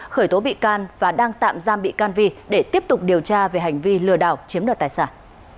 khởi tố bị can và đang tạm giam bị can vi để tiếp tục điều tra về hành vi lừa đảo chiếm đoạt tài sản